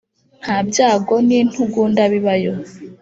nta byago n’intugunda bibayo.